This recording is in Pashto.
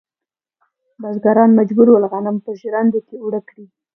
بزګران مجبور ول غنم په ژرندو کې اوړه کړي.